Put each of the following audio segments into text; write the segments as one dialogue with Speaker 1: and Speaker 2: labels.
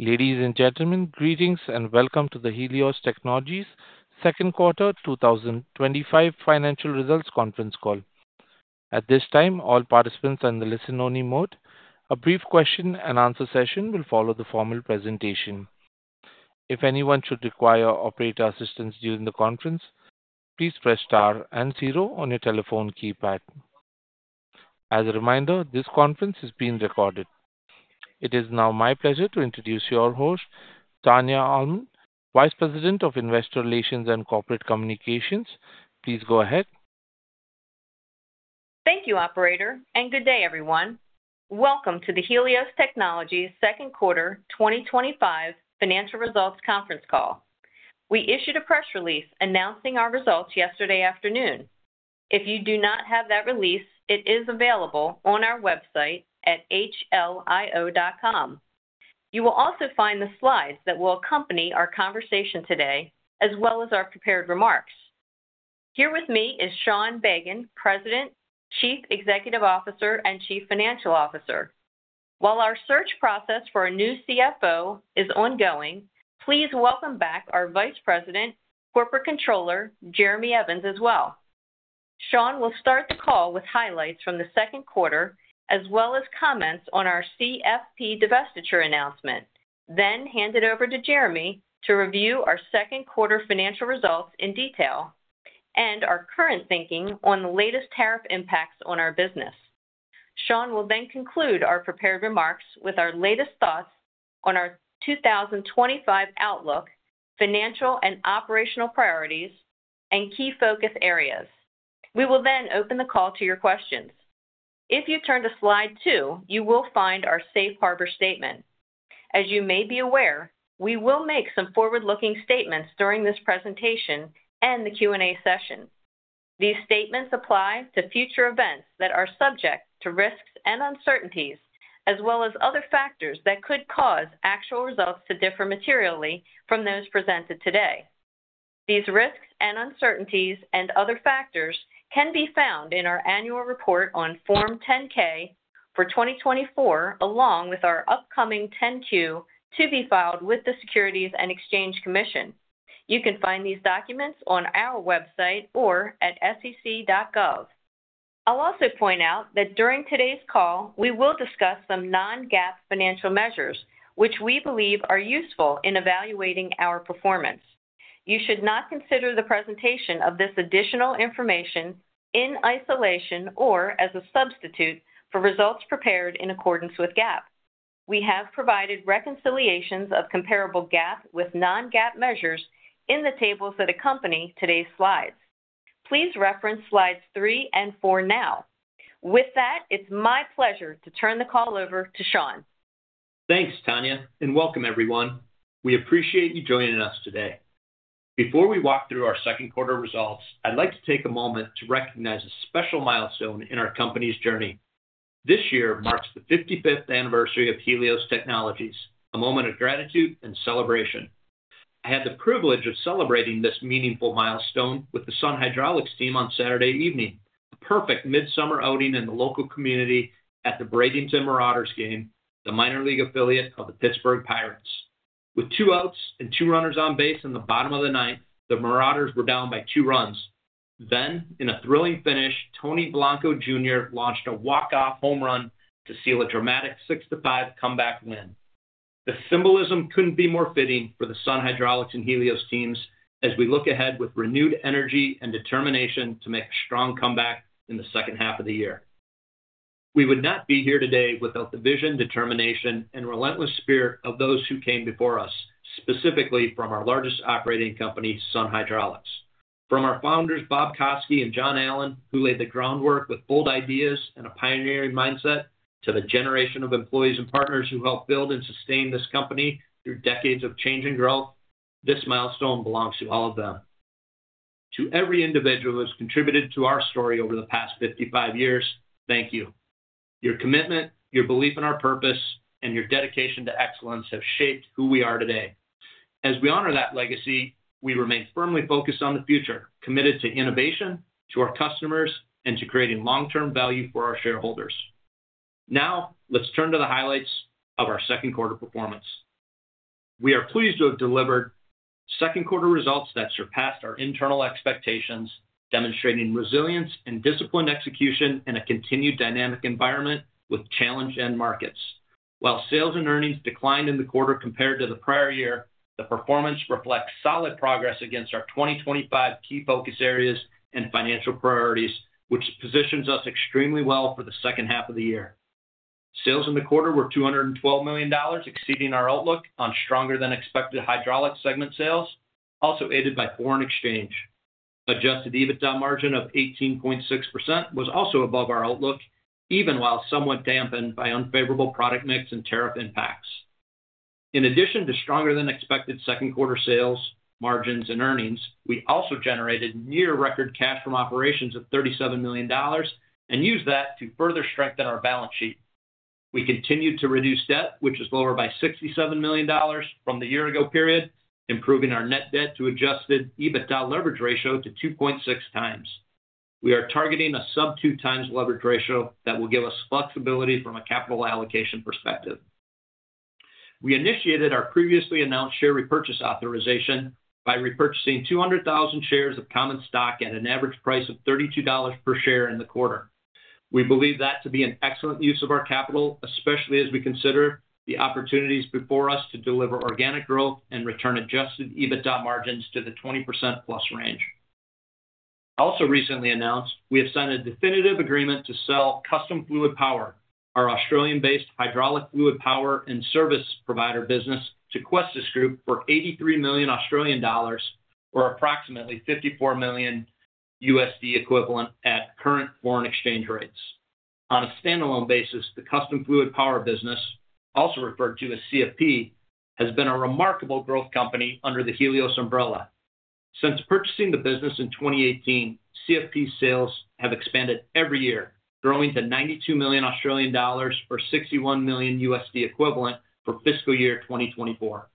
Speaker 1: Ladies and gentlemen, greetings and welcome to the Helios Technologies Second Quarter 2025 Financial Results Conference Call. At this time, all participants are in the listen-only mode. A brief question and answer session will follow the formal presentation. If anyone should require operator assistance during the conference, please press * and 0 on your telephone keypad. As a reminder, this conference is being recorded. It is now my pleasure to introduce your host, Tania Almond, Vice President of Investor Relations and Corporate Communications. Please go ahead.
Speaker 2: Thank you, Operator, and good day, everyone. Welcome to the Helios Technologies Second Quarter 2025 Financial Results Conference Call. We issued a press release announcing our results yesterday afternoon. If you do not have that release, it is available on our website at hlio.com. You will also find the slides that will accompany our conversation today, as well as our prepared remarks. Here with me is Sean Bagan, President, Chief Executive Officer, and Chief Financial Officer. While our search process for a new CFO is ongoing, please welcome back our Vice President, Corporate Controller Jeremy Evans, as well. Sean will start the call with highlights from the second quarter, as well as comments on our Custom Fluidpower (CFP) divestiture announcement, then hand it over to Jeremy to review our second quarter financial results in detail and our current thinking on the latest tariff impacts on our business. Sean will then conclude our prepared remarks with our latest thoughts on our 2025 outlook, financial and operational priorities, and key focus areas. We will then open the call to your questions. If you turn to slide two, you will find our safe harbor statement. As you may be aware, we will make some forward-looking statements during this presentation and the Q&A session. These statements apply to future events that are subject to risks and uncertainties, as well as other factors that could cause actual results to differ materially from those presented today. These risks and uncertainties and other factors can be found in our annual report on Form 10-K for 2024, along with our upcoming 10-Q to be filed with the Securities and Exchange Commission. You can find these documents on our website or at sec.gov. I'll also point out that during today's call, we will discuss some non-GAAP financial measures, which we believe are useful in evaluating our performance. You should not consider the presentation of this additional information in isolation or as a substitute for results prepared in accordance with GAAP. We have provided reconciliations of comparable GAAP with non-GAAP measures in the tables that accompany today's slides. Please reference slides three and four now. With that, it's my pleasure to turn the call over to Sean.
Speaker 3: Thanks, Tania, and welcome, everyone. We appreciate you joining us today. Before we walk through our second quarter results, I'd like to take a moment to recognize a special milestone in our company's journey. This year marks the 55th anniversary of Helios Technologies, a moment of gratitude and celebration. I had the privilege of celebrating this meaningful milestone with the Sun Hydraulics team on Saturday evening, a perfect midsummer outing in the local community at the Bradenton Marauders game, the minor league affiliate of the Pittsburgh Pirates. With two outs and two runners on base in the bottom of the ninth, the Marauders were down by two runs. In a thrilling finish, Tony Blanco Jr. launched a walk-off home run to seal a dramatic 6-5 comeback win. The symbolism couldn't be more fitting for the Sun Hydraulics and Helios teams as we look ahead with renewed energy and determination to make a strong comeback in the second half of the year. We would not be here today without the vision, determination, and relentless spirit of those who came before us, specifically from our largest operating company, Sun Hydraulics. From our founders, Bob Koski and John Allen, who laid the groundwork with bold ideas and a pioneering mindset, to the generation of employees and partners who helped build and sustain this company through decades of change and growth, this milestone belongs to all of them. To every individual who has contributed to our story over the past 55 years, thank you. Your commitment, your belief in our purpose, and your dedication to excellence have shaped who we are today. As we honor that legacy, we remain firmly focused on the future, committed to innovation, to our customers, and to creating long-term value for our shareholders. Now, let's turn to the highlights of our second quarter performance. We are pleased to have delivered second quarter results that surpassed our internal expectations, demonstrating resilience and disciplined execution in a continued dynamic environment with challenge and markets. While sales and earnings declined in the quarter compared to the prior year, the performance reflects solid progress against our 2025 key focus areas and financial priorities, which positions us extremely well for the second half of the year. Sales in the quarter were $212 million, exceeding our outlook on stronger than expected Hydraulics segment sales, also aided by foreign exchange. Adjusted EBITDA margin of 18.6% was also above our outlook, even while somewhat dampened by unfavorable product mix and tariff impacts. In addition to stronger than expected second quarter sales, margins, and earnings, we also generated year-record cash from operations of $37 million and used that to further strengthen our balance sheet. We continued to reduce debt, which is lower by $67 million from the year-ago period, improving our net debt to adjusted EBITDA leverage ratio to 2.6x. We are targeting a sub-2x leverage ratio that will give us flexibility from a capital allocation perspective. We initiated our previously announced share repurchase authorization by repurchasing 200,000 shares of common stock at an average price of $32 per share in the quarter. We believe that to be an excellent use of our capital, especially as we consider the opportunities before us to deliver organic growth and return adjusted EBITDA margins to the 20%+ range. Also recently announced, we have signed a definitive agreement to sell Custom Fluidpower, our Australian-based hydraulic fluid power and service provider business, to Questis Group for 83 million Australian dollars, or approximately $54 million equivalent at current foreign exchange rates. On a standalone basis, the Custom Fluidpower business, also referred to as CFP, has been a remarkable growth company under the Helios umbrella. Since purchasing the business in 2018, CFP sales have expanded every year, growing to 92 million Australian dollars or $61 million equivalent for fiscal year 2024.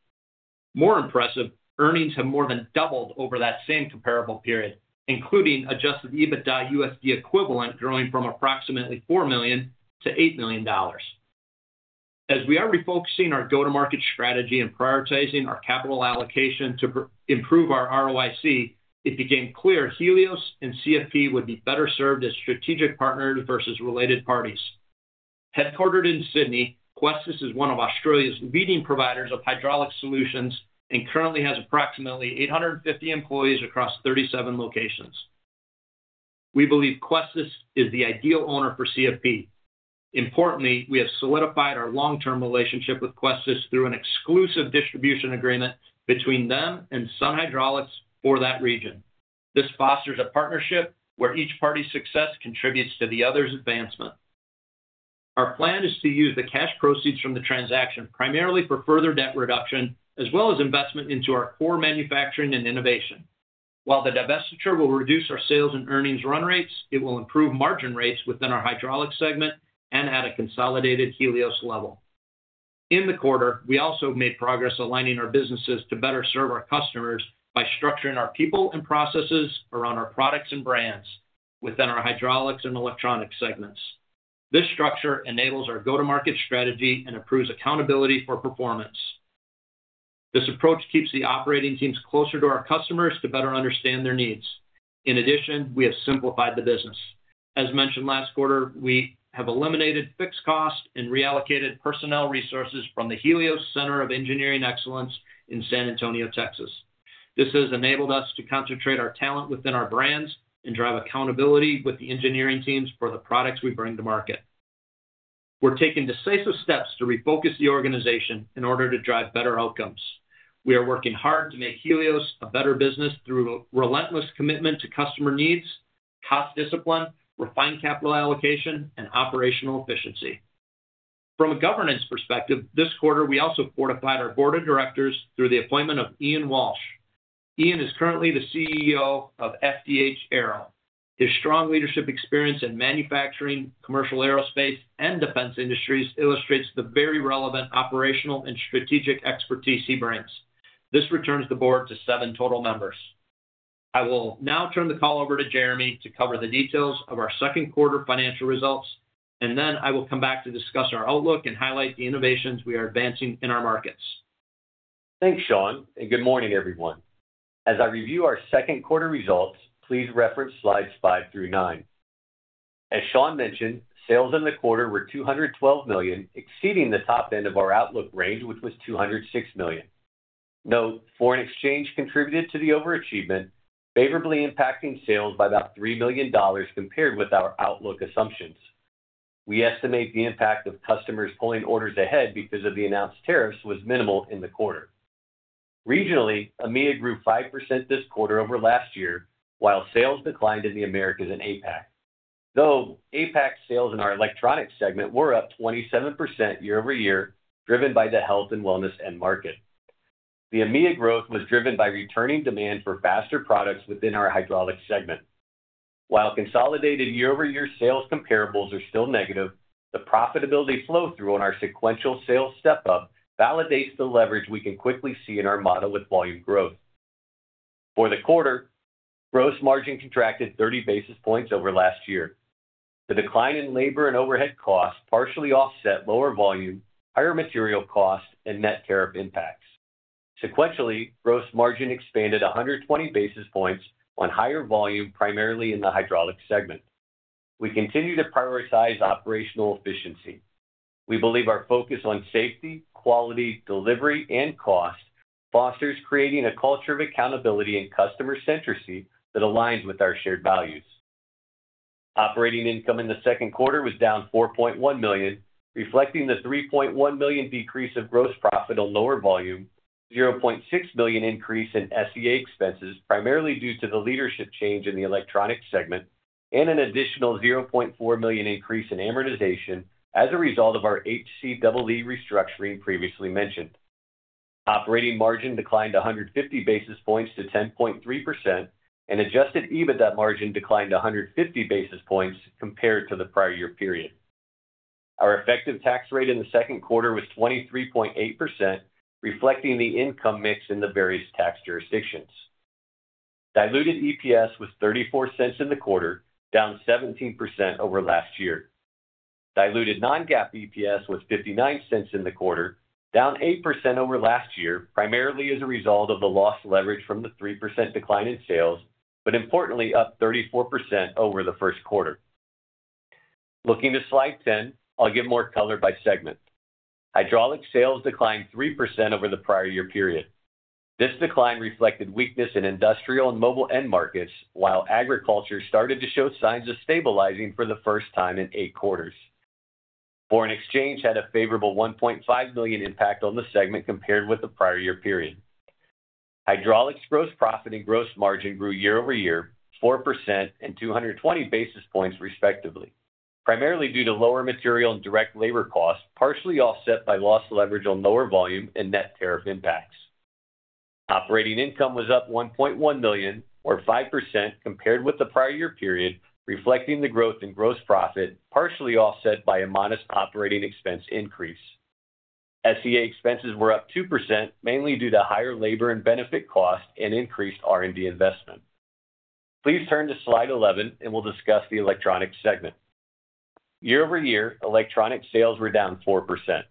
Speaker 3: More impressive, earnings have more than doubled over that same comparable period, including adjusted EBITDA USD equivalent growing from approximately $4 million to $8 million. As we are refocusing our go-to-market strategy and prioritizing our capital allocation to improve our ROIC, it became clear Helios and CFP would be better served as strategic partners versus related parties. Headquartered in Sydney, Questis is one of Australia's leading providers of hydraulic solutions and currently has approximately 850 employees across 37 locations. We believe Questis is the ideal owner for CFP. Importantly, we have solidified our long-term relationship with Questis through an exclusive distribution agreement between them and Sun Hydraulics for that region. This fosters a partnership where each party's success contributes to the other's advancement. Our plan is to use the cash proceeds from the transaction primarily for further debt reduction, as well as investment into our core manufacturing and innovation. While the divestiture will reduce our sales and earnings run rates, it will improve margin rates within our Hydraulics segment and at a consolidated Helios level. In the quarter, we also made progress aligning our businesses to better serve our customers by structuring our people and processes around our products and brands within our Hydraulics and Electronics segments. This structure enables our go-to-market strategy and improves accountability for performance. This approach keeps the operating teams closer to our customers to better understand their needs. In addition, we have simplified the business. As mentioned last quarter, we have eliminated fixed costs and reallocated personnel resources from the Helios Center of Engineering Excellence in San Antonio, Texas. This has enabled us to concentrate our talent within our brands and drive accountability with the engineering teams for the products we bring to market. We're taking decisive steps to refocus the organization in order to drive better outcomes. We are working hard to make Helios a better business through a relentless commitment to customer needs, cost discipline, refined capital allocation, and operational efficiency. From a governance perspective, this quarter we also fortified our board of directors through the appointment of Ian Walsh. Ian is currently the CEO of FDH Aero. His strong leadership experience in manufacturing, commercial aerospace, and defense industries illustrates the very relevant operational and strategic expertise he brings. This returns the board to seven total members. I will now turn the call over to Jeremy to cover the details of our second quarter financial results, and then I will come back to discuss our outlook and highlight the innovations we are advancing in our markets.
Speaker 4: Thanks, Sean, and good morning, everyone. As I review our second quarter results, please reference slides five through nine. As Sean mentioned, sales in the quarter were $212 million, exceeding the top end of our outlook range, which was $206 million. Note, foreign exchange contributed to the overachievement, favorably impacting sales by about $3 million compared with our outlook assumptions. We estimate the impact of customers pulling orders ahead because of the announced tariffs was minimal in the quarter. Regionally, EMEA grew 5% this quarter over last year, while sales declined in the Americas and APAC. Though APAC sales in our Electronics segment were up 27% year-over-year, driven by the health and wellness end market. The EMEA growth was driven by returning demand for faster products within our Hydraulics segment. While consolidated year-over-year sales comparables are still negative, the profitability flow-through on our sequential sales step-up validates the leverage we can quickly see in our model with volume growth. For the quarter, gross margin contracted 30 basis points over last year. The decline in labor and overhead costs partially offset lower volume, higher material costs, and net tariff impacts. Sequentially, gross margin expanded 120 basis points on higher volume, primarily in the Hydraulics segment. We continue to prioritize operational efficiency. We believe our focus on safety, quality, delivery, and cost fosters creating a culture of accountability and customer centricity that aligns with our shared values. Operating income in the second quarter was down $4.1 million, reflecting the $3.1 million decrease of gross profit on lower volume, $0.6 million increase in SG&A expenses, primarily due to the leadership change in the Electronics segment, and an additional $0.4 million increase in amortization as a result of our HCEE restructuring previously mentioned. Operating margin declined 150 basis points to 10.3%, and adjusted EBITDA margin declined 150 basis points compared to the prior year period. Our effective tax rate in the second quarter was 23.8%, reflecting the income mix in the various tax jurisdictions. Diluted EPS was $0.34 in the quarter, down 17% over last year. Diluted non-GAAP EPS was $0.59 in the quarter, down 8% over last year, primarily as a result of the lost leverage from the 3% decline in sales, but importantly up 34% over the first quarter. Looking to slide 10, I'll give more color by segment. Hydraulics sales declined 3% over the prior year period. This decline reflected weakness in industrial and mobile end markets, while agriculture started to show signs of stabilizing for the first time in eight quarters. Foreign exchange had a favorable $1.5 million impact on the segment compared with the prior year period. Hydraulics gross profit and gross margin grew year-over-year 4% and 220 basis points, respectively, primarily due to lower material and direct labor costs, partially offset by lost leverage on lower volume and net tariff impacts. Operating income was up $1.1 million, or 5%, compared with the prior year period, reflecting the growth in gross profit, partially offset by a modest operating expense increase. SEA expenses were up 2%, mainly due to higher labor and benefit costs and increased R&D investment. Please turn to slide 11, and we'll discuss the Electronics segment. year-over-year, Electronics sales were down 4%.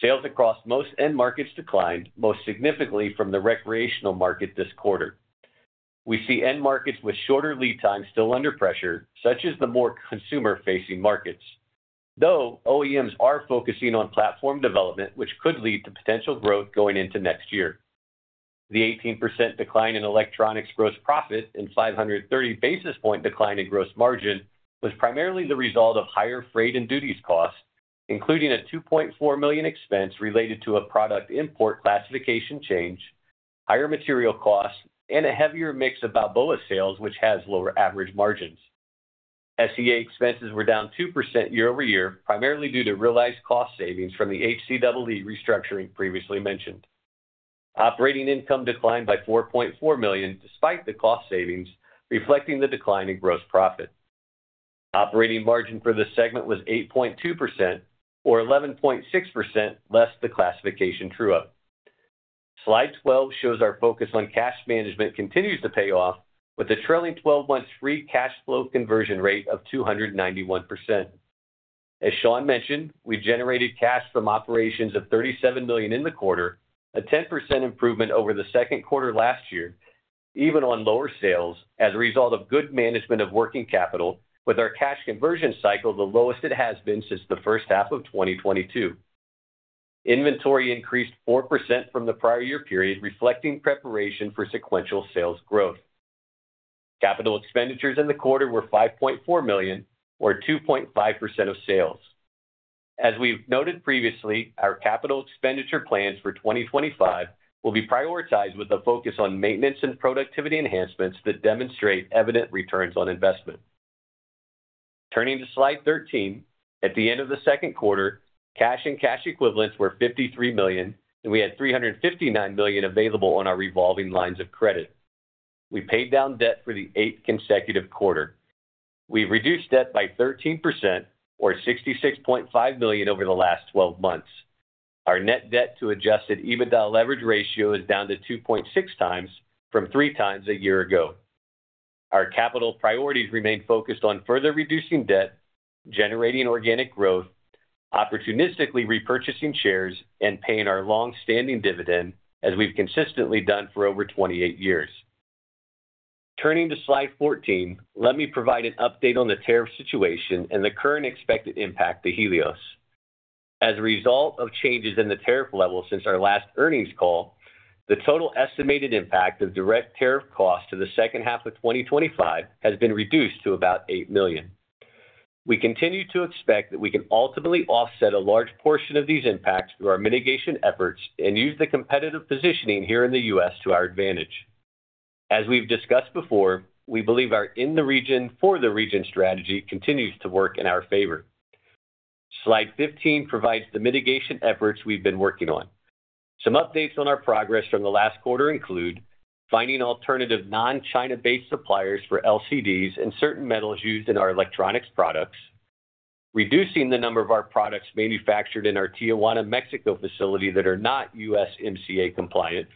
Speaker 4: Sales across most end markets declined, most significantly from the recreational market this quarter. We see end markets with shorter lead times still under pressure, such as the more consumer-facing markets. Though OEMs are focusing on platform development, which could lead to potential growth going into next year. The 18% decline in Electronics gross profit and 530 basis point decline in gross margin was primarily the result of higher freight and duties costs, including a $2.4 million expense related to a product import classification change, higher material costs, and a heavier mix of Balboa sales, which has lower average margins. SEA expenses were down 2% year-over-year, primarily due to realized cost savings from the HCEE restructuring previously mentioned. Operating income declined by $4.4 million despite the cost savings, reflecting the decline in gross profit. Operating margin for the segment was 8.2%, or 11.6% less the classification true up. Slide 12 shows our focus on cash management continues to pay off with a trailing 12 months free cash flow conversion rate of 291%. As Sean mentioned, we generated cash from operations of $37 million in the quarter, a 10% improvement over the second quarter last year, even on lower sales as a result of good management of working capital, with our cash conversion cycle the lowest it has been since the first half of 2022. Inventory increased 4% from the prior year period, reflecting preparation for sequential sales growth. Capital expenditures in the quarter were $5.4 million, or 2.5% of sales. As we've noted previously, our capital expenditure plans for 2025 will be prioritized with a focus on maintenance and productivity enhancements that demonstrate evident returns on investment. Turning to slide 13, at the end of the second quarter, cash and cash equivalents were $53 million, and we had $359 million available on our revolving lines of credit. We paid down debt for the eighth consecutive quarter. We reduced debt by 13%, or $66.5 million over the last 12 months. Our net debt to adjusted EBITDA leverage ratio is down to 2.6x from 3x a year ago. Our capital priorities remain focused on further reducing debt, generating organic growth, opportunistically repurchasing shares, and paying our long-standing dividend, as we've consistently done for over 28 years. Turning to slide 14, let me provide an update on the tariff situation and the current expected impact to Helios. As a result of changes in the tariff level since our last earnings call, the total estimated impact of direct tariff costs to the second half of 2025 has been reduced to about $8 million. We continue to expect that we can ultimately offset a large portion of these impacts through our mitigation efforts and use the competitive positioning here in the U.S. to our advantage. As we've discussed before, we believe our in-the-region, for-the-region strategy continues to work in our favor. Slide 15 provides the mitigation efforts we've been working on. Some updates on our progress from the last quarter include finding alternative non-China-based suppliers for LCDs and certain metals used in our electronics products, reducing the number of our products manufactured in our Tijuana, Mexico facility that are not USMCA compliant,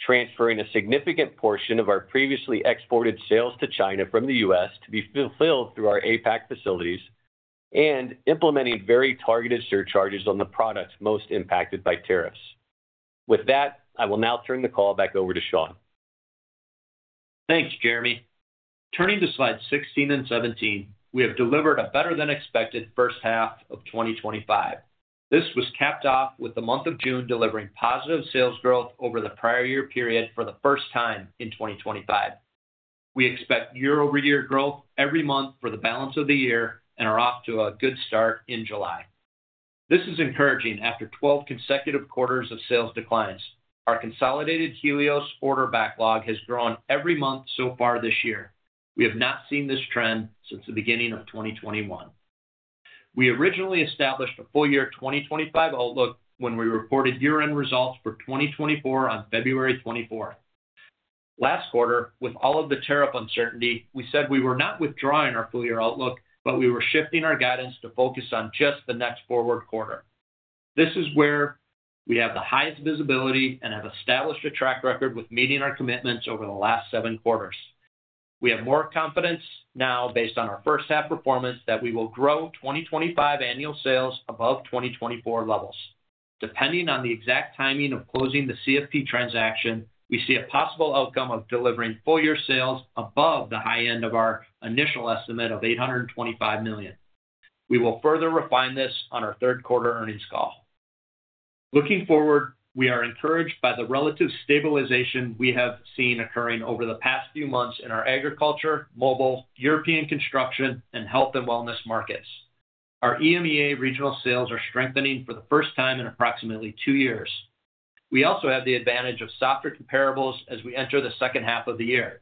Speaker 4: transferring a significant portion of our previously exported sales to China from the U.S. to be fulfilled through our APAC facilities, and implementing very targeted surcharges on the products most impacted by tariffs. With that, I will now turn the call back over to Sean.
Speaker 3: Thanks, Jeremy. Turning to slides 16 and 17, we have delivered a better-than-expected first half of 2025. This was capped off with the month of June delivering positive sales growth over the prior year period for the first time in 2025. We expect year-over-year growth every month for the balance of the year and are off to a good start in July. This is encouraging after 12 consecutive quarters of sales declines. Our consolidated Helios order backlog has grown every month so far this year. We have not seen this trend since the beginning of 2021. We originally established a full-year 2025 outlook when we reported year-end results for 2024 on February 24th. Last quarter, with all of the tariff uncertainty, we said we were not withdrawing our full-year outlook, but we were shifting our guidance to focus on just the next forward quarter. This is where we have the highest visibility and have established a track record with meeting our commitments over the last seven quarters. We have more confidence now based on our first half performance that we will grow 2025 annual sales above 2024 levels. Depending on the exact timing of closing the CFP transaction, we see a possible outcome of delivering full-year sales above the high end of our initial estimate of $825 million. We will further refine this on our third quarter earnings call. Looking forward, we are encouraged by the relative stabilization we have seen occurring over the past few months in our agriculture, mobile, European construction, and health and wellness markets. Our EMEA regional sales are strengthening for the first time in approximately two years. We also have the advantage of softer comparables as we enter the second half of the year.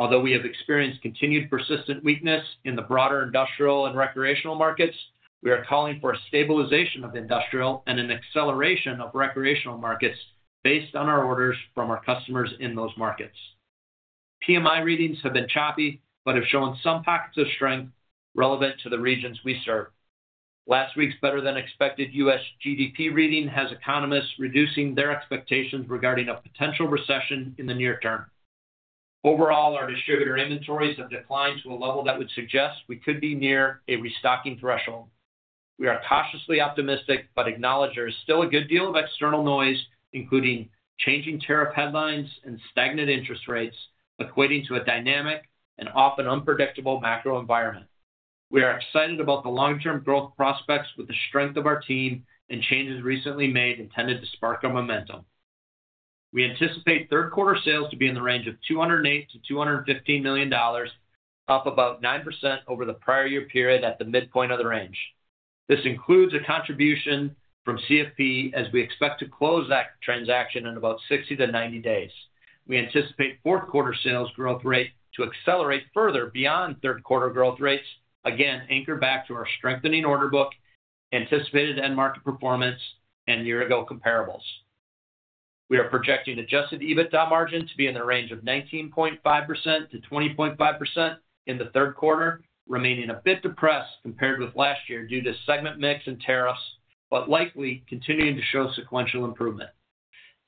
Speaker 3: Although we have experienced continued persistent weakness in the broader industrial and recreational markets, we are calling for a stabilization of the industrial and an acceleration of recreational markets based on our orders from our customers in those markets. PMI readings have been choppy but have shown some pockets of strength relevant to the regions we serve. Last week's better-than-expected U.S. GDP reading has economists reducing their expectations regarding a potential recession in the near term. Overall, our distributor inventories have declined to a level that would suggest we could be near a restocking threshold. We are cautiously optimistic but acknowledge there is still a good deal of external noise, including changing tariff headlines and stagnant interest rates, equating to a dynamic and often unpredictable macro environment. We are excited about the long-term growth prospects with the strength of our team and changes recently made intended to spark a momentum. We anticipate third quarter sales to be in the range of $208 million-$215 million, up about 9% over the prior year period at the midpoint of the range. This includes a contribution from CFP as we expect to close that transaction in about 60-90 days. We anticipate fourth quarter sales growth rate to accelerate further beyond third quarter growth rates, again anchored back to our strengthening order book, anticipated end market performance, and year-ago comparables. We are projecting adjusted EBITDA margin to be in the range of 19.5%-20.5% in the third quarter, remaining a bit depressed compared with last year due to segment mix and tariffs, but likely continuing to show sequential improvement.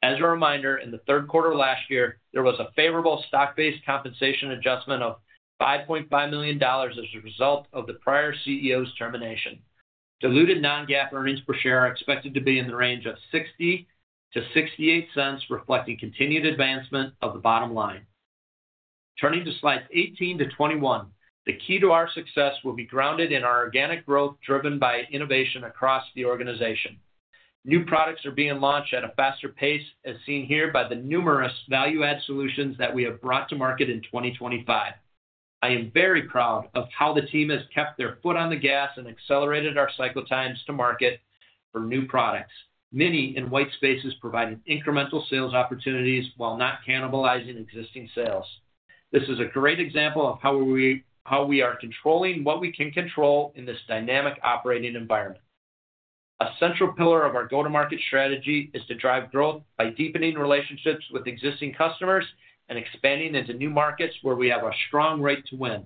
Speaker 3: As a reminder, in the third quarter last year, there was a favorable stock-based compensation adjustment of $5.5 million as a result of the prior CEO's termination. Diluted non-GAAP earnings per share are expected to be in the range of $0.60-$0.68, reflecting continued advancement of the bottom line. Turning to slides 18 to 21, the key to our success will be grounded in our organic growth driven by innovation across the organization. New products are being launched at a faster pace, as seen here by the numerous value-add solutions that we have brought to market in 2025. I am very proud of how the team has kept their foot on the gas and accelerated our cycle times to market for new products. Many in white spaces provided incremental sales opportunities while not cannibalizing existing sales. This is a great example of how we are controlling what we can control in this dynamic operating environment. A central pillar of our go-to-market strategy is to drive growth by deepening relationships with existing customers and expanding into new markets where we have a strong right to win.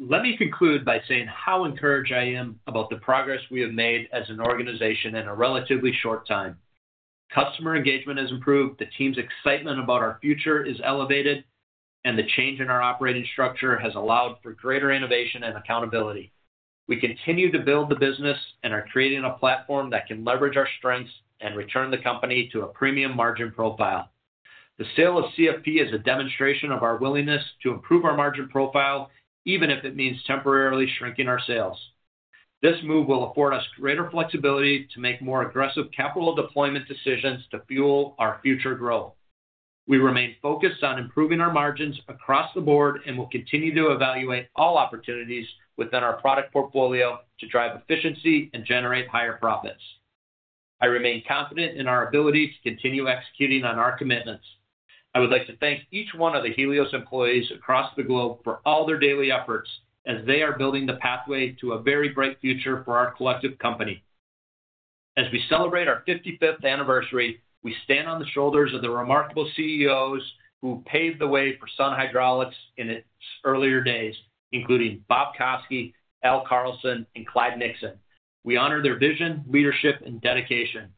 Speaker 3: Let me conclude by saying how encouraged I am about the progress we have made as an organization in a relatively short time. Customer engagement has improved, the team's excitement about our future is elevated, and the change in our operating structure has allowed for greater innovation and accountability. We continue to build the business and are creating a platform that can leverage our strengths and return the company to a premium margin profile. The sale of CFP is a demonstration of our willingness to improve our margin profile, even if it means temporarily shrinking our sales. This move will afford us greater flexibility to make more aggressive capital deployment decisions to fuel our future growth. We remain focused on improving our margins across the board and will continue to evaluate all opportunities within our product portfolio to drive efficiency and generate higher profits. I remain confident in our ability to continue executing on our commitments. I would like to thank each one of the Helios employees across the globe for all their daily efforts as they are building the pathway to a very bright future for our collective company. As we celebrate our 55th anniversary, we stand on the shoulders of the remarkable CEOs who paved the way for Sun Hydraulics in its earlier days, including Bob Koski, Al Carlson, and Clyde Nixon. We honor their vision, leadership, and dedication.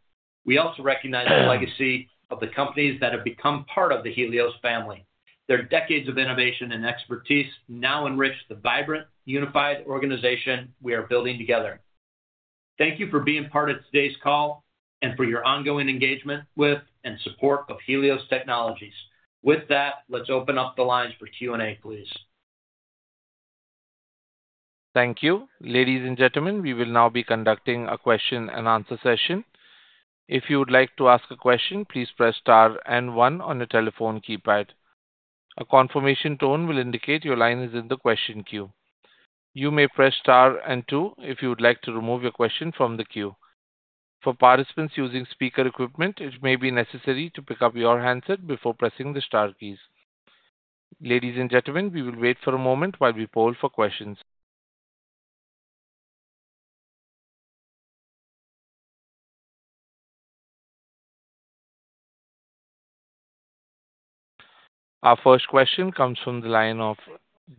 Speaker 3: We also recognize the legacy of the companies that have become part of the Helios family. Their decades of innovation and expertise now enrich the vibrant, unified organization we are building together. Thank you for being part of today's call and for your ongoing engagement with and support of Helios Technologies. With that, let's open up the lines for Q&A, please.
Speaker 1: Thank you. Ladies and gentlemen, we will now be conducting a question and answer session. If you would like to ask a question, please press * and 1 on the telephone keypad. A confirmation tone will indicate your line is in the question queue. You may press * and 2 if you would like to remove your question from the queue. For participants using speaker equipment, it may be necessary to pick up your handset before pressing the * keys. Ladies and gentlemen, we will wait for a moment while we poll for questions. Our first question comes from the line of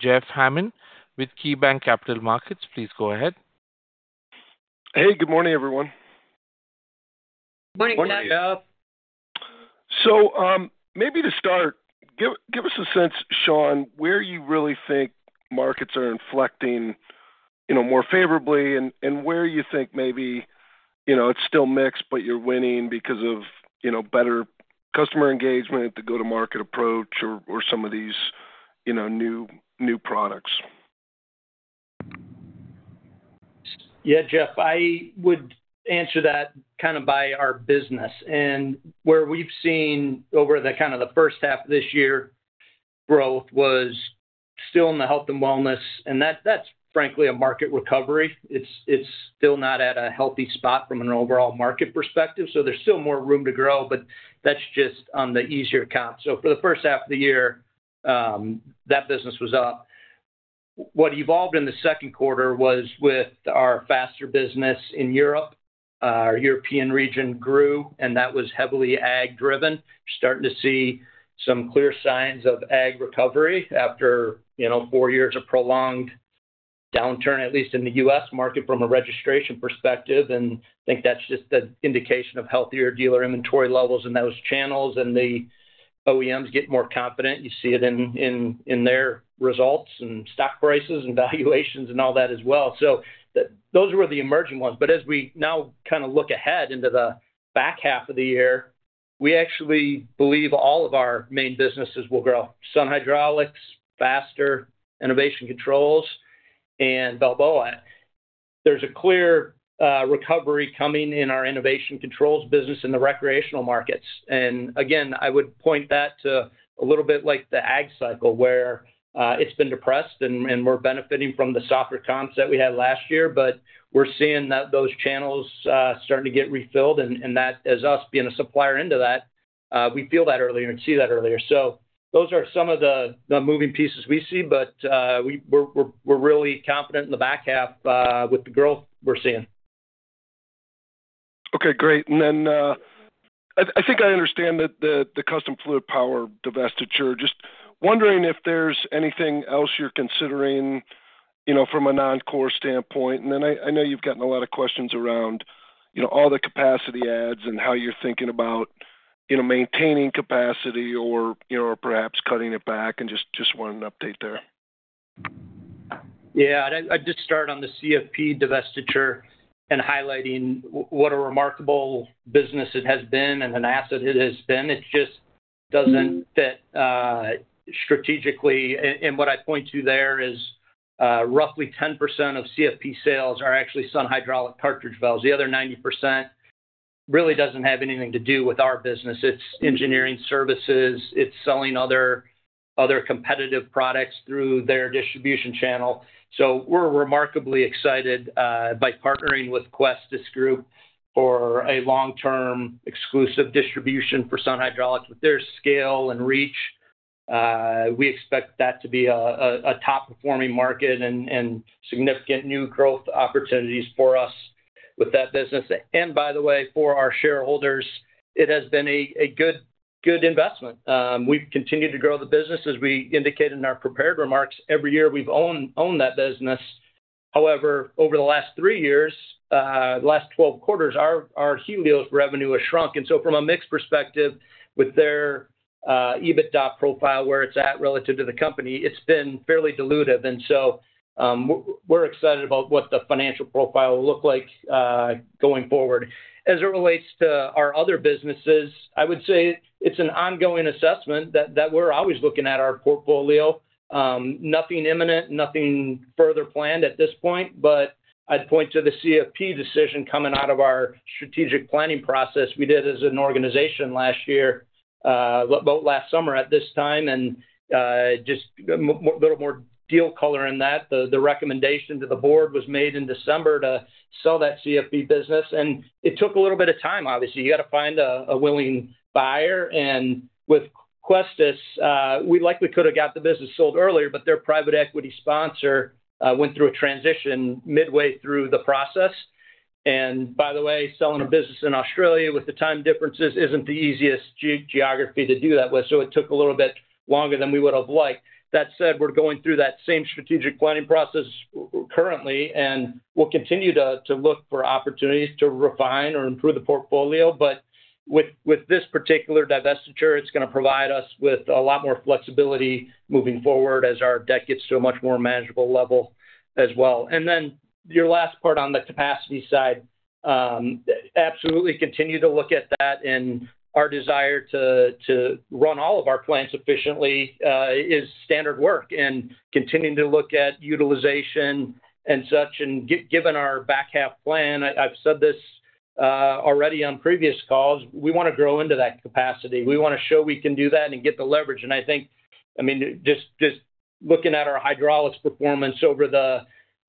Speaker 1: Jeff Hammond with KeyBanc Capital Markets. Please go ahead.
Speaker 5: Hey, good morning, everyone.
Speaker 3: Morning, guys.
Speaker 5: Maybe to start, give us a sense, Sean, where you really think markets are inflecting more favorably and where you think maybe it's still mixed, but you're winning because of better customer engagement, the go-to-market approach, or some of these new products.
Speaker 3: Yeah, Jeff, I would answer that kind of by our business. Where we've seen over the first half of this year, growth was still in the health and wellness. That's, frankly, a market recovery. It's still not at a healthy spot from an overall market perspective. There's still more room to grow, but that's just on the easier comps. For the first half of the year, that business was up. What evolved in the second quarter was with our Faster business in Europe. Our European region grew, and that was heavily ag-driven. We're starting to see some clear signs of ag recovery after four years of prolonged downturn, at least in the U.S. market from a registration perspective. I think that's just an indication of healthier dealer inventory levels in those channels. The OEMs get more confident. You see it in their results and stock prices and valuations and all that as well. Those were the emerging ones. As we now look ahead into the back half of the year, we actually believe all of our main businesses will grow. Sun Hydraulics, Faster, Enovation Controls, and Balboa. There's a clear recovery coming in our Enovation Controls business in the recreational markets. I would point that to a little bit like the ag cycle where it's been depressed and we're benefiting from the softer comps that we had last year. We're seeing that those channels starting to get refilled and that as us being a supplier into that, we feel that earlier and see that earlier. Those are some of the moving pieces we see, but we're really confident in the back half with the growth we're seeing.
Speaker 5: Okay, great. I think I understand the Custom Fluidpower divestiture. Just wondering if there's anything else you're considering from a non-core standpoint. I know you've gotten a lot of questions around all the capacity adds and how you're thinking about maintaining capacity or perhaps cutting it back and just wanted an update there.
Speaker 3: Yeah, I'd just start on the CFP divestiture and highlighting what a remarkable business it has been and an asset it has been. It just doesn't fit strategically. What I point to there is roughly 10% of CFP sales are actually Sun Hydraulics cartridge valves. The other 90% really doesn't have anything to do with our business. It's engineering services. It's selling other competitive products through their distribution channel. We're remarkably excited by partnering with Questis Group for a long-term exclusive distribution for Sun Hydraulics. With their scale and reach, we expect that to be a top-performing market and significant new growth opportunities for us with that business. By the way, for our shareholders, it has been a good investment. We've continued to grow the business. As we indicated in our prepared remarks, every year we've owned that business. However, over the last three years, the last 12 quarters, our Helios revenue has shrunk. From a mixed perspective, with their EBITDA profile where it's at relative to the company, it's been fairly dilutive. We're excited about what the financial profile will look like going forward. As it relates to our other businesses, I would say it's an ongoing assessment that we're always looking at our portfolio. Nothing imminent, nothing further planned at this point. I'd point to the CFP decision coming out of our strategic planning process. We did as an organization last year, about last summer at this time, and just a little more deal color in that. The recommendation to the board was made in December to sell that CFP business. It took a little bit of time, obviously. You got to find a willing buyer. With Questis, we likely could have got the business sold earlier, but their private equity sponsor went through a transition midway through the process. By the way, selling a business in Australia with the time differences isn't the easiest geography to do that with. It took a little bit longer than we would have liked. That said, we're going through that same strategic planning process currently and will continue to look for opportunities to refine or improve the portfolio. With this particular divestiture, it's going to provide us with a lot more flexibility moving forward as our debt gets to a much more manageable level as well. Your last part on the capacity side, absolutely continue to look at that and our desire to run all of our plants efficiently is standard work and continuing to look at utilization and such. Given our back half plan, I've said this already on previous calls, we want to grow into that capacity. We want to show we can do that and get the leverage. Just looking at our Hydraulics segment performance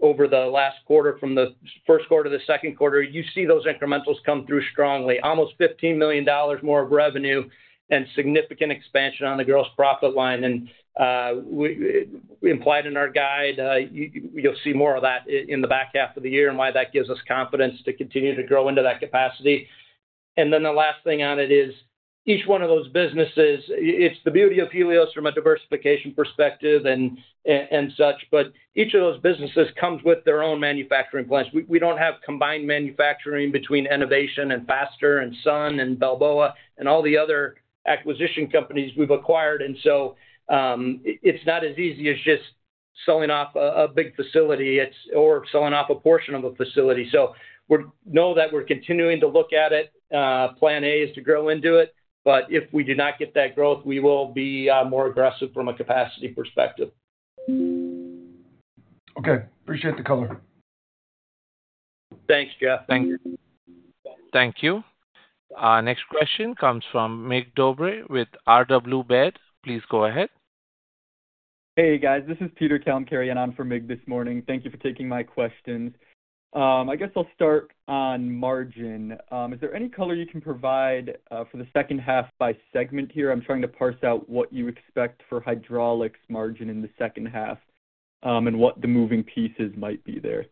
Speaker 3: over the last quarter, from the first quarter to the second quarter, you see those incrementals come through strongly, almost $15 million more of revenue and significant expansion on the gross profit line. We implied in our guide, you'll see more of that in the back half of the year and why that gives us confidence to continue to grow into that capacity. The last thing on it is each one of those businesses, it's the beauty of Helios from a diversification perspective and such, but each of those businesses comes with their own manufacturing plants. We don't have combined manufacturing between Enovation and Faster and Sun Hydraulics and Balboa and all the other acquisition companies we've acquired. It's not as easy as just selling off a big facility or selling off a portion of a facility. We know that we're continuing to look at it. Plan A is to grow into it, but if we do not get that growth, we will be more aggressive from a capacity perspective.
Speaker 5: Okay, appreciate the color.
Speaker 3: Thanks, Jeff.
Speaker 1: Thanks. Thank you. Next question comes from Mig Dobre with R.W. Baird. Please go ahead.
Speaker 6: Hey guys, this is Peter Kalemkerian and I'm from Mig this morning. Thank you for taking my questions. I guess I'll start on margin. Is there any color you can provide for the second half by segment here? I'm trying to parse out what you expect for Hydraulics margin in the second half and what the moving pieces might be there.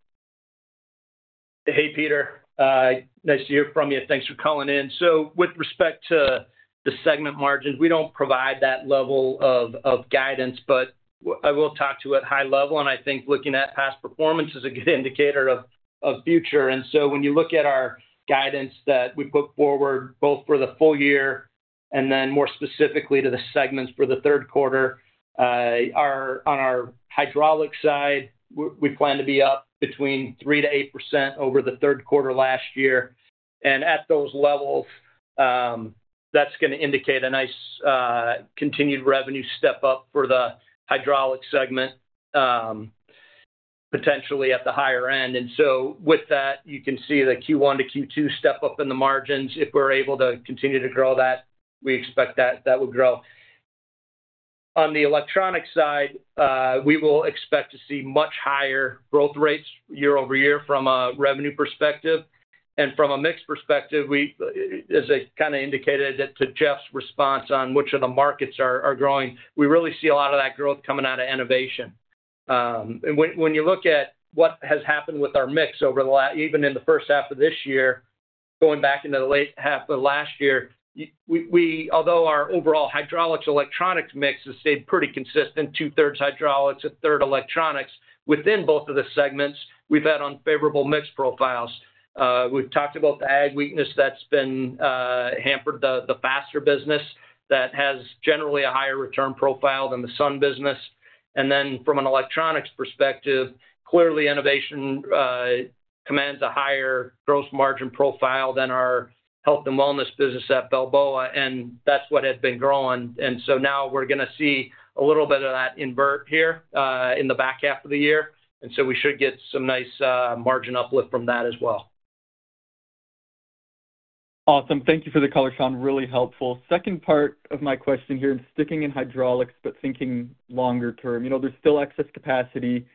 Speaker 3: Hey Peter, nice to hear from you. Thanks for calling in. With respect to the segment margins, we don't provide that level of guidance, but I will talk to you at a high level. I think looking at past performance is a good indicator of future. When you look at our guidance that we put forward both for the full year and then more specifically to the segments for the third quarter, on our Hydraulics side, we plan to be up between 3%-8% over the third quarter last year. At those levels, that's going to indicate a nice continued revenue step up for the Hydraulics segment, potentially at the higher end. With that, you can see the Q1 to Q2 step up in the margins. If we're able to continue to grow that, we expect that would grow. On the Electronics side, we will expect to see much higher growth rates year-over-year from a revenue perspective. From a mix perspective, as I kind of indicated to Jeff's response on which of the markets are growing, we really see a lot of that growth coming out of innovation. When you look at what has happened with our mix over the last, even in the first half of this year, going back into the late half of last year, although our overall Hydraulics Electronics mix has stayed pretty consistent, two-thirds Hydraulics, a third Electronics, within both of the segments, we've had unfavorable mix profiles. We've talked about the ag weakness that's been hampered the Faster business that has generally a higher return profile than the Sun business. From an Electronics perspective, clearly innovation commands a higher gross margin profile than our health and wellness business at Balboa. That's what had been growing. Now we're going to see a little bit of that invert here in the back half of the year. We should get some nice margin uplift from that as well.
Speaker 6: Awesome. Thank you for the color, Sean. Really helpful. Second part of my question here and sticking in Hydraulics, but thinking longer term, you know, there's still excess capacity.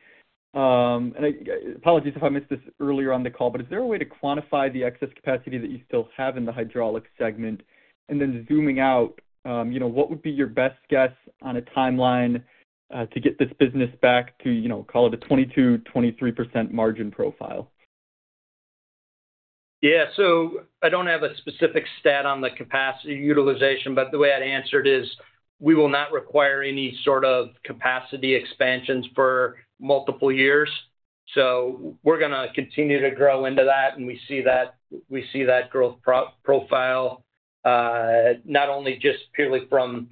Speaker 6: Apologies if I missed this earlier on the call, but is there a way to quantify the excess capacity that you still have in the Hydraulics segment? Zooming out, what would be your best guess on a timeline to get this business back to, you know, call it a 22%, 23% margin profile?
Speaker 3: I don't have a specific stat on the capacity utilization, but the way I'd answer it is we will not require any sort of capacity expansions for multiple years. We're going to continue to grow into that. We see that growth profile not only just purely from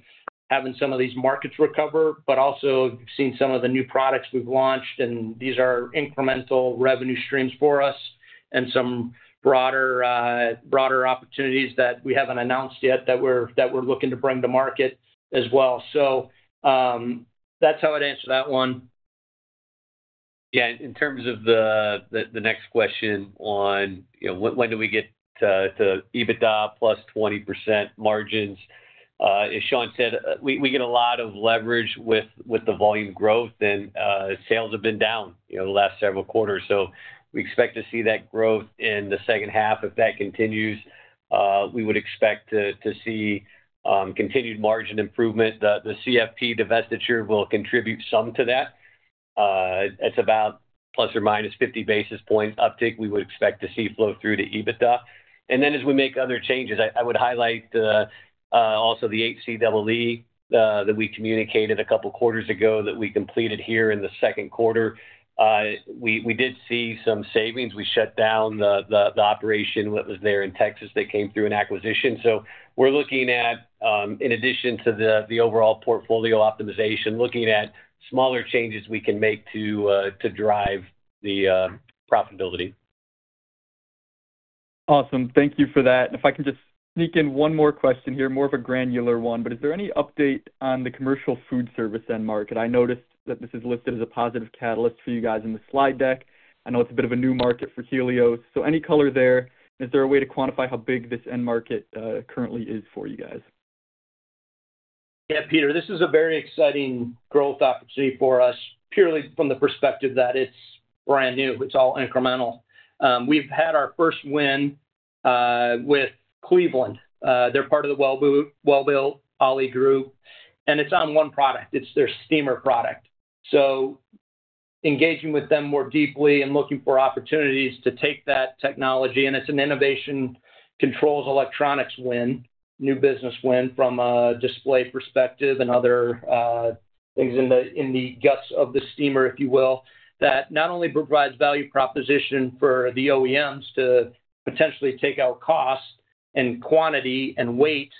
Speaker 3: having some of these markets recover, but also seeing some of the new products we've launched. These are incremental revenue streams for us and some broader opportunities that we haven't announced yet that we're looking to bring to market as well. That's how I'd answer that one.
Speaker 4: Yeah, in terms of the next question on, you know, when do we get to EBITDA +20% margins? As Sean said, we get a lot of leverage with the volume growth, and sales have been down, you know, the last several quarters. We expect to see that growth in the second half. If that continues, we would expect to see continued margin improvement. The CFP divestiture will contribute some to that. It's about ±50 basis points uptake. We would expect to see flow through to EBITDA. As we make other changes, I would highlight also the HCEE that we communicated a couple of quarters ago that we completed here in the second quarter. We did see some savings. We shut down the operation that was there in Texas. They came through an acquisition. We're looking at, in addition to the overall portfolio optimization, looking at smaller changes we can make to drive the profitability.
Speaker 6: Awesome. Thank you for that. If I can just sneak in one more question here, more of a granular one, is there any update on the commercial food service end market? I noticed that this is listed as a positive catalyst for you guys in the slide deck. I know it's a bit of a new market for Helios. Any color there? Is there a way to quantify how big this end market currently is for you guys?
Speaker 3: Yeah, Peter, this is a very exciting growth opportunity for us purely from the perspective that it's brand new. It's all incremental. We've had our first win with Cleveland. They're part of the Welbilt Ali Group, and it's on one product. It's their steamer product. Engaging with them more deeply and looking for opportunities to take that technology, it's an Enovation Controls Electronics win, new business win from a display perspective and other things in the guts of the steamer, if you will, that not only provides value proposition for the OEMs to potentially take out cost and quantity and weight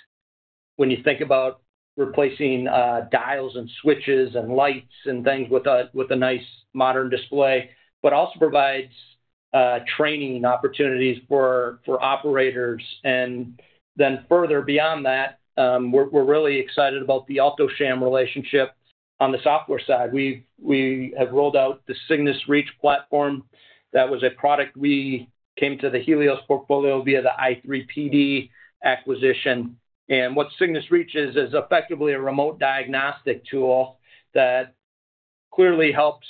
Speaker 3: when you think about replacing dials and switches and lights and things with a nice modern display, but also provides training opportunities for operators. Further beyond that, we're really excited about the Alto-Shaam relationship on the software side. We have rolled out the Cygnus Reach platform. That was a product we came to the Helios portfolio via the i3PD acquisition. What Cygnus Reach is, is effectively a remote diagnostic tool that clearly helps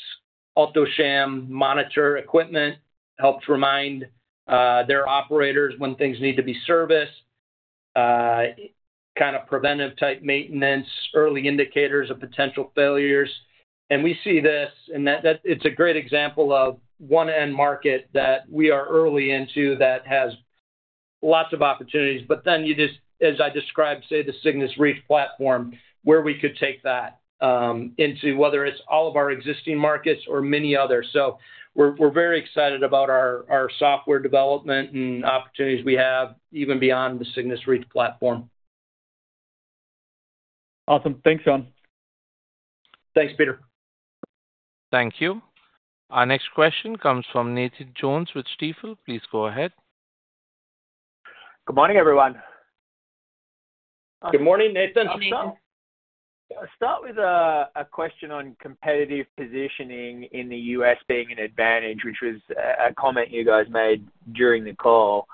Speaker 3: Alto-Shaam monitor equipment, helps remind their operators when things need to be serviced, kind of preventive type maintenance, early indicators of potential failures. We see this and that it's a great example of one end market that we are early into that has lots of opportunities. As I described, the Cygnus Reach platform, we could take that into whether it's all of our existing markets or many others. We're very excited about our software development and opportunities we have even beyond the Cygnus Reach platform.
Speaker 6: Awesome. Thanks, Sean.
Speaker 3: Thanks, Peter.
Speaker 1: Thank you. Our next question comes from Nathan Jones with Stifel. Please go ahead.
Speaker 7: Good morning, everyone.
Speaker 3: Good morning, Nathan.
Speaker 7: Start with a question on competitive positioning in the U.S. being an advantage, which was a comment you guys made during the call.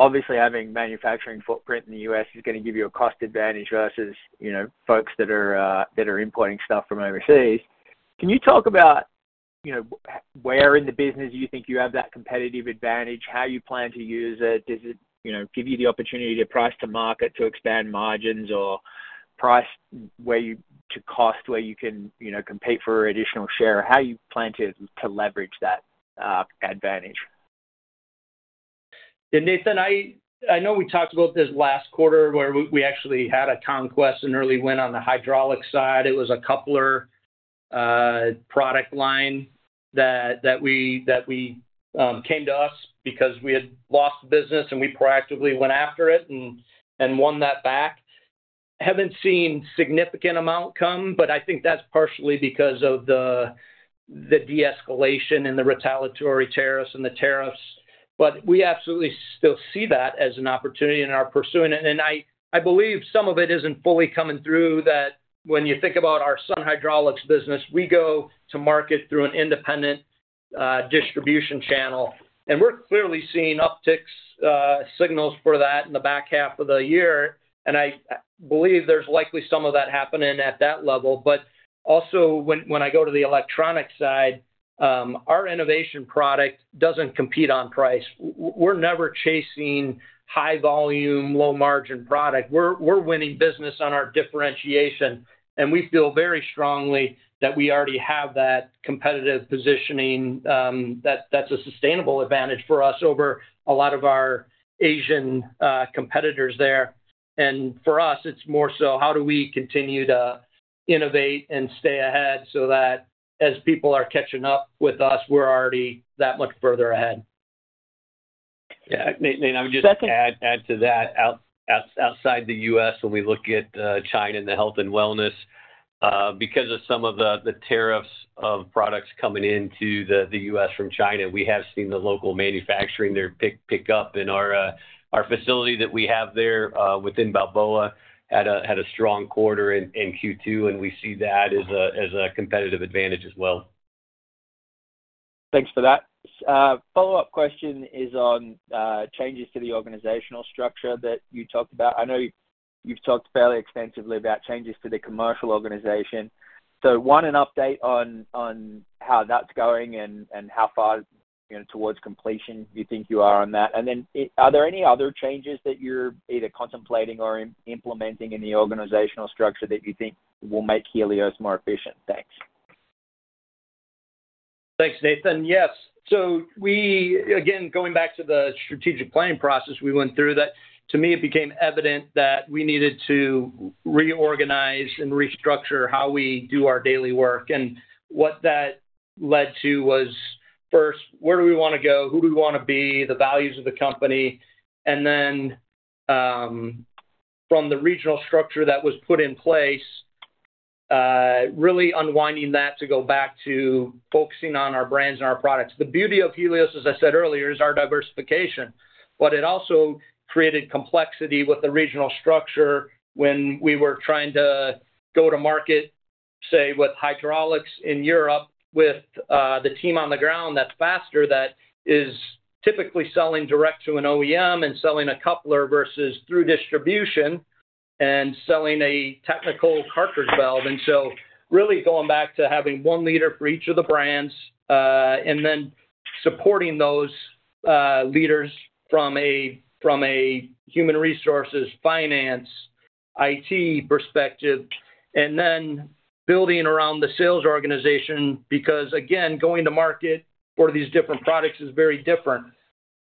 Speaker 7: Obviously, having a manufacturing footprint in the U.S. is going to give you a cost advantage versus folks that are importing stuff from overseas. Can you talk about where in the business you think you have that competitive advantage, how you plan to use it? Does it give you the opportunity to price to market to expand margins or price to cost where you can compete for additional share? How do you plan to leverage that advantage?
Speaker 3: Yeah, Nathan, I know we talked about this last quarter where we actually had a conquest and early win on the Hydraulics side. It was a coupler product line that came to us because we had lost business and we proactively went after it and won that back. Haven't seen a significant amount come, but I think that's partially because of the de-escalation and the retaliatory tariffs and the tariffs. We absolutely still see that as an opportunity and are pursuing it. I believe some of it isn't fully coming through. When you think about our Sun Hydraulics business, we go to market through an independent distribution channel. We're clearly seeing uptick signals for that in the back half of the year, and I believe there's likely some of that happening at that level. When I go to the Electronics segment, our innovation product doesn't compete on price. We're never chasing high volume, low margin product. We're winning business on our differentiation, and we feel very strongly that we already have that competitive positioning that's a sustainable advantage for us over a lot of our Asian competitors there. For us, it's more so how do we continue to innovate and stay ahead so that as people are catching up with us, we're already that much further ahead.
Speaker 4: Nathan, I would just add to that outside the U.S., when we look at China and the health and wellness. Because of some of the tariffs of products coming into the U.S. from China, we have seen the local manufacturing there pick up. Our facility that we have there within Balboa had a strong quarter in Q2, and we see that as a competitive advantage as well.
Speaker 7: Thanks for that. Follow-up question is on changes to the organizational structure that you talked about. I know you've talked fairly extensively about changes to the commercial organization. One, an update on how that's going and how far towards completion you think you are on that. Are there any other changes that you're either contemplating or implementing in the organizational structure that you think will make Helios more efficient? Thanks.
Speaker 3: Thanks, Nathan. Yes. Going back to the strategic planning process we went through, it became evident that we needed to reorganize and restructure how we do our daily work. What that led to was first, where do we want to go? Who do we want to be? The values of the company. From the regional structure that was put in place, really unwinding that to go back to focusing on our brands and our products. The beauty of Helios, as I said earlier, is our diversification. It also created complexity with the regional structure when we were trying to go to market, say, with hydraulics in Europe with the team on the ground that's faster, that is typically selling direct to an OEM and selling a coupler versus through distribution and selling a technical cartridge valve. Really going back to having one leader for each of the brands and then supporting those leaders from a human resources, finance, IT perspective, and then building around the sales organization because going to market for these different products is very different.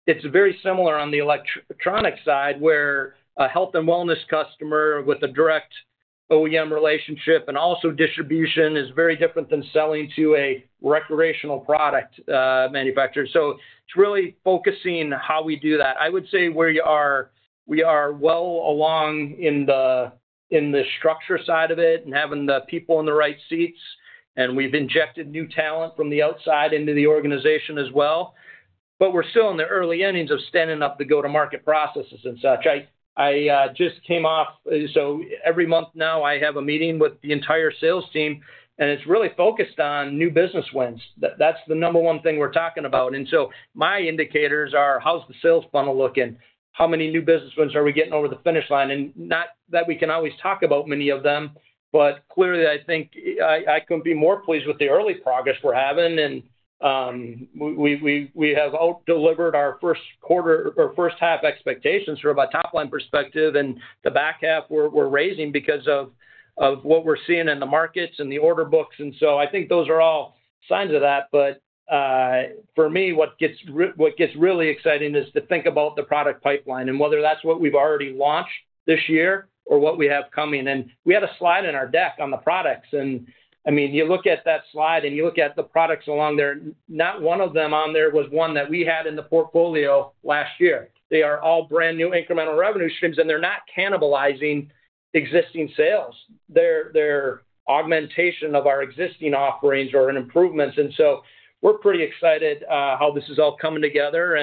Speaker 3: It's very similar on the electronics side where a health and wellness customer with a direct OEM relationship and also distribution is very different than selling to a recreational product manufacturer. It's really focusing on how we do that. I would say we are well along in the structure side of it and having the people in the right seats. We've injected new talent from the outside into the organization as well. We're still in the early innings of standing up the go-to-market processes and such. I just came off, so every month now I have a meeting with the entire sales team, and it's really focused on new business wins. That's the number one thing we're talking about. My indicators are how's the sales funnel looking? How many new business wins are we getting over the finish line? Not that we can always talk about many of them, but clearly I think I couldn't be more pleased with the early progress we're having. We have delivered our first quarter or first half expectations from a top line perspective, and the back half we're raising because of what we're seeing in the markets and the order books. I think those are all signs of that. For me, what gets really exciting is to think about the product pipeline and whether that's what we've already launched this year or what we have coming. We had a slide in our deck on the products. You look at that slide and you look at the products along there, not one of them on there was one that we had in the portfolio last year. They are all brand new incremental revenue streams, and they're not cannibalizing existing sales. They're augmentation of our existing offerings or improvements. We are pretty excited how this is all coming together.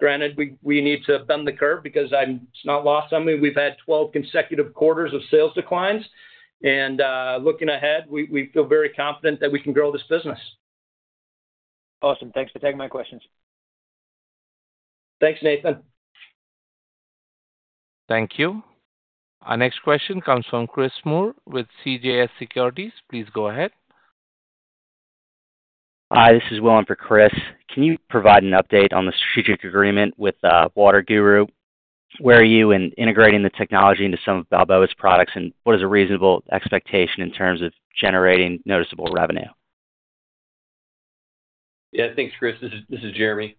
Speaker 3: Granted, we need to bend the curve because it's not lost on me. We've had 12 consecutive quarters of sales declines. Looking ahead, we feel very confident that we can grow this business.
Speaker 7: Awesome. Thanks for taking my questions.
Speaker 3: Thanks, Nathan.
Speaker 1: Thank you. Our next question comes from Chris Moore with CJS Securities. Please go ahead.
Speaker 8: Hi, this is Will for Chris. Can you provide an update on the strategic agreement with WaterGuru? Where are you in integrating the technology into some of Balboa's products, and what is a reasonable expectation in terms of generating noticeable revenue?
Speaker 4: Yeah, thanks, Chris. This is Jeremy.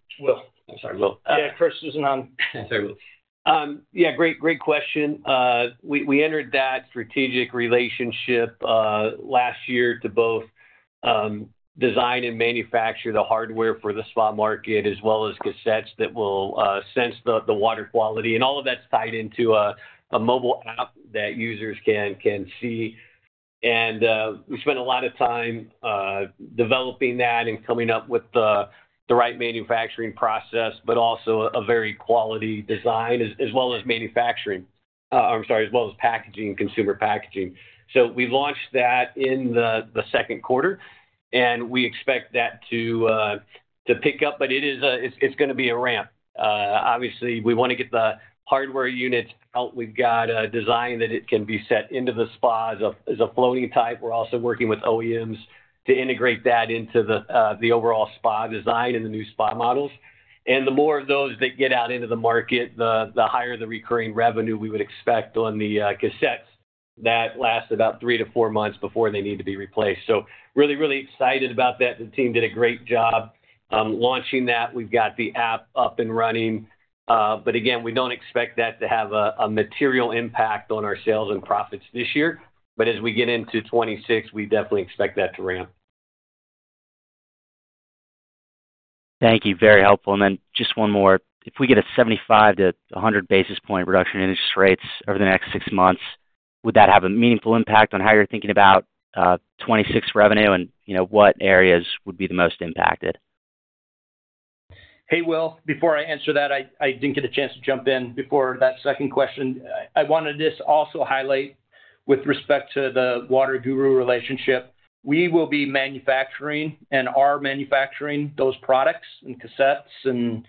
Speaker 4: I'm sorry, Will.
Speaker 8: Yeah, Chris isn't on.
Speaker 4: Sorry. Great question. We entered that strategic relationship last year to both design and manufacture the hardware for the spot market, as well as cassettes that will sense the water quality. All of that's tied into a mobile app that users can see. We spent a lot of time developing that and coming up with the right manufacturing process, but also a very quality design, as well as manufacturing, packaging, and consumer packaging. We launched that in the second quarter, and we expect that to pick up. It is going to be a ramp. Obviously, we want to get the hardware units out. We've got a design that can be set into the spas as a floating type. We're also working with OEMs to integrate that into the overall spa design and the new spa models. The more of those that get out into the market, the higher the recurring revenue we would expect on the cassettes that last about three to four months before they need to be replaced. Really excited about that. The team did a great job launching that. We've got the app up and running. We don't expect that to have a material impact on our sales and profits this year. As we get into 2026, we definitely expect that to ramp.
Speaker 8: Thank you. Very helpful. Just one more. If we get a 75-100 basis point reduction in interest rates over the next six months, would that have a meaningful impact on how you're thinking about 2026 revenue and what areas would be the most impacted?
Speaker 3: Hey, Will. Before I answer that, I didn't get a chance to jump in before that second question. I wanted to just also highlight with respect to the WaterGuru relationship. We will be manufacturing and are manufacturing those products and cassettes.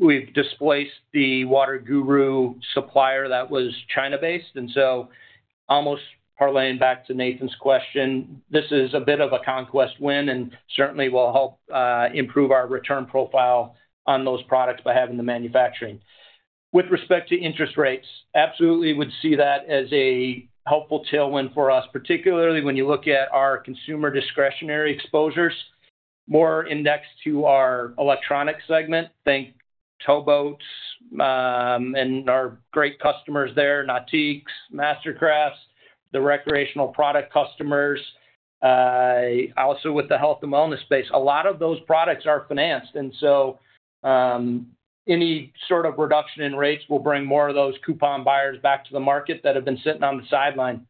Speaker 3: We've displaced the WaterGuru supplier that was China-based. Almost parlaying back to Nathan's question, this is a bit of a conquest win and certainly will help improve our return profile on those products by having the manufacturing. With respect to interest rates, absolutely would see that as a helpful tailwind for us, particularly when you look at our consumer discretionary exposures, more indexed to our Electronics segment. Think towboats and our great customers there, Nautique, Mastercraft, the recreational product customers. Also, with the health and wellness space, a lot of those products are financed. Any sort of reduction in rates will bring more of those coupon buyers back to the market that have been sitting on the sideline.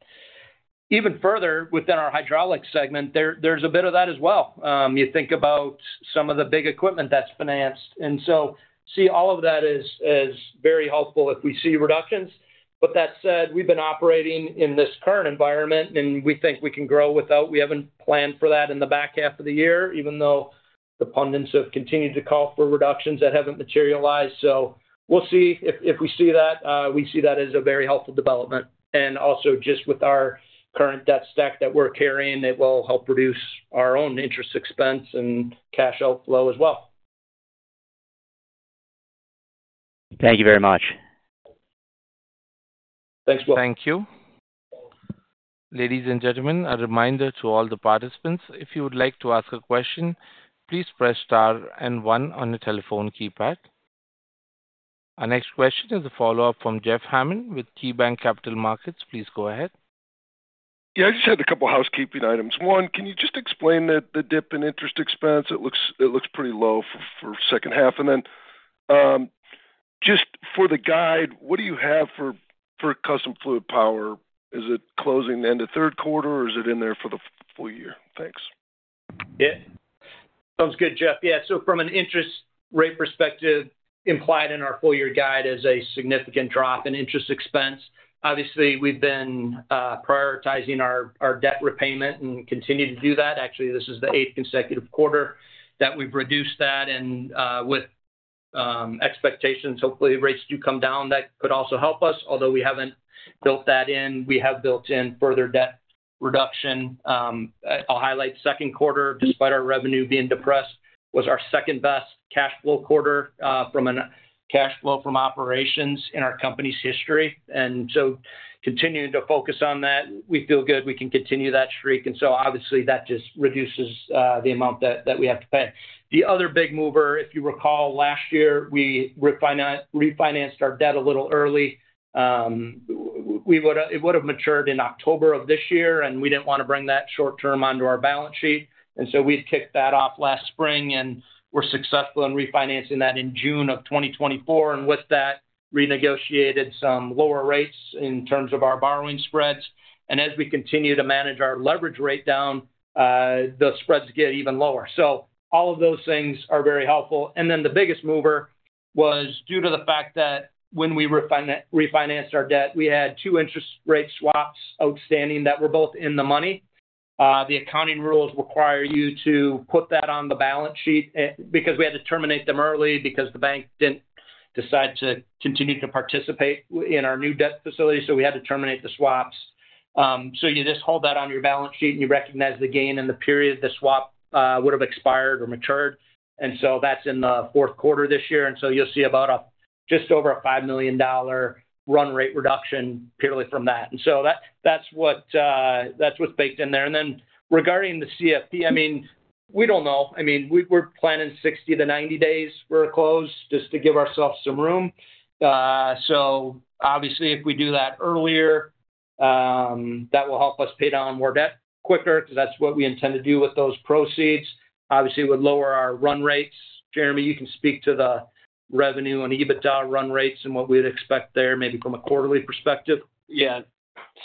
Speaker 3: Even further within our Hydraulics segment, there's a bit of that as well. You think about some of the big equipment that's financed. I see all of that as very helpful if we see reductions. That said, we've been operating in this current environment and we think we can grow without. We haven't planned for that in the back half of the year, even though the pundits have continued to call for reductions that haven't materialized. We will see if we see that. We see that as a very helpful development. Also, just with our current debt stack that we're carrying, it will help reduce our own interest expense and cash outflow as well.
Speaker 8: Thank you very much.
Speaker 3: Thanks, Will.
Speaker 1: Thank you. Ladies and gentlemen, a reminder to all the participants, if you would like to ask a question, please press star and one on the telephone keypad. Our next question is a follow-up from Jeff Hammond with KeyBanc Capital Markets. Please go ahead.
Speaker 5: Yeah, I just had a couple of housekeeping items. One, can you just explain the dip in interest expense? It looks pretty low for the second half. For the guide, what do you have for Custom Fluidpower? Is it closing the end of third quarter or is it in there for the full year? Thanks.
Speaker 3: Yeah, sounds good, Jeff. Yeah, so from an interest rate perspective, implied in our full year guide is a significant drop in interest expense. Obviously, we've been prioritizing our debt repayment and continue to do that. Actually, this is the eighth consecutive quarter that we've reduced that. With expectations, hopefully rates do come down. That could also help us. Although we haven't built that in, we have built in further debt reduction. I'll highlight the second quarter, despite our revenue being depressed, was our second best cash flow quarter from a cash flow from operations in our company's history. Continuing to focus on that, we feel good we can continue that streak. Obviously, that just reduces the amount that we have to pay. The other big mover, if you recall, last year we refinanced our debt a little early. It would have matured in October of this year and we didn't want to bring that short term onto our balance sheet. We've kicked that off last spring and were successful in refinancing that in June of 2024. With that, renegotiated some lower rates in terms of our borrowing spreads. As we continue to manage our leverage rate down, the spreads get even lower. All of those things are very helpful. The biggest mover was due to the fact that when we refinanced our debt, we had two interest rate swaps outstanding that were both in the money. The accounting rules require you to put that on the balance sheet because we had to terminate them early because the bank didn't decide to continue to participate in our new debt facility. We had to terminate the swaps. You just hold that on your balance sheet and you recognize the gain in the period the swap would have expired or matured. That's in the fourth quarter this year. You'll see about just over a $5 million run rate reduction purely from that. That's what's baked in there. Regarding the CFP, I mean, we don't know. We're planning 60-90 days for a close just to give ourselves some room. Obviously, if we do that earlier, that will help us pay down more debt quicker because that's what we intend to do with those proceeds. Obviously, it would lower our run rates. Jeremy, you can speak to the revenue on EBITDA run rates and what we would expect there maybe from a quarterly perspective.
Speaker 4: Yeah,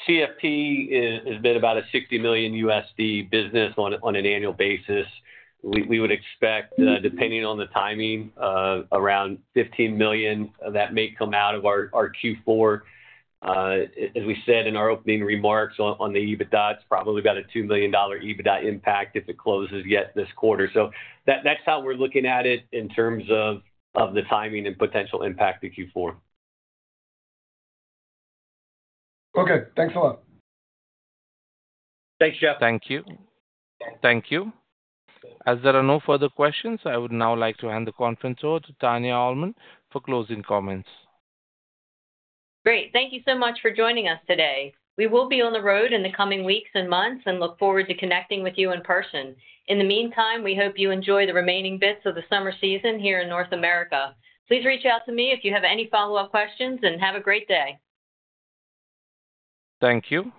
Speaker 4: CFP has been about a $60 million business on an annual basis. We would expect, depending on the timing, around $15 million that may come out of our Q4. As we said in our opening remarks on the EBITDA, it's probably about a $2 million EBITDA impact if it closes yet this quarter. That's how we're looking at it in terms of the timing and potential impact of Q4.
Speaker 5: Okay, thanks a lot.
Speaker 3: Thanks, Jeff.
Speaker 1: Thank you. Thank you. As there are no further questions, I would now like to hand the conference over to Tania Almond for closing comments.
Speaker 2: Great. Thank you so much for joining us today. We will be on the road in the coming weeks and months and look forward to connecting with you in person. In the meantime, we hope you enjoy the remaining bits of the summer season here in North America. Please reach out to me if you have any follow-up questions and have a great day.
Speaker 1: Thank you.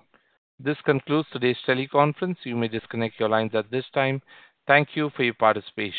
Speaker 1: This concludes today's teleconference. You may disconnect your lines at this time. Thank you for your participation.